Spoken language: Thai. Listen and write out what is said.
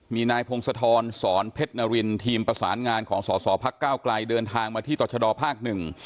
มีนายพงศธรสอนเพชรนรินทีมประสานงานของสอสอพักก้าวไกลเดินทางมาที่ต่อชะดอภาคหนึ่ง